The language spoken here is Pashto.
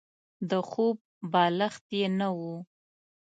د خوب بالښت يې نه وو.